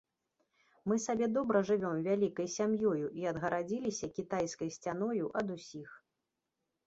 Мы сабе добра жывём вялікай сям'ёю і адгарадзіліся кітайскай сцяною ад усіх.